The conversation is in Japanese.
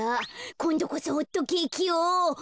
こんどこそホットケーキを。